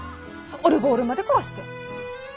オルゴールまで壊して。